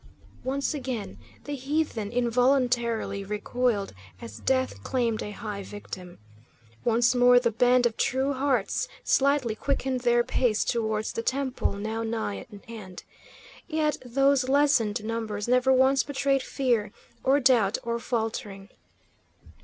Once again the heathen involuntarily recoiled, as death claimed a high victim. Once more the band of true hearts slightly quickened their pace towards the temple, now nigh at hand. Yet those lessened numbers never once betrayed fear, or doubt, or faltering.